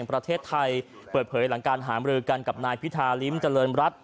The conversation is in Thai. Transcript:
ประเทศไทยเปิดเผยหลังการหามรือกันกับนายพิธาริมเจริญรัฐ